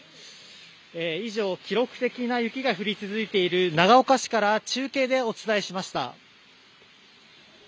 以上、記録的な雪が降り続いている長岡市から中継でお伝えしました。